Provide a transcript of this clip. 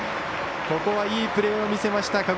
ここはいいプレーを見せました。